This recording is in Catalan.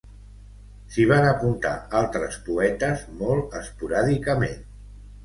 S'hi van apuntar altres poetes, molt esporàdicament.